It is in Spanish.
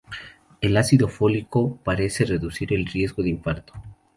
El ácido fólico parece reducir el riesgo de infarto.